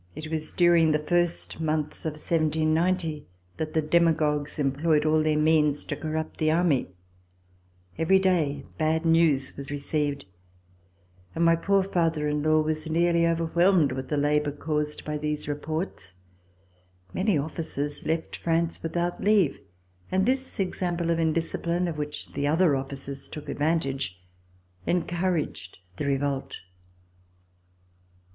It was during the first months of 1790 that the demagogues employed all their means to corrupt [no] VISIT TO SWITZERLAND the Army. Every day bad news was received, and my poor father in law was nearly overwhelmed with the labor caused by these reports. Many officers left France without leave, and this example of indis cipline, of which the other officers took advantage, encouraged the revolt.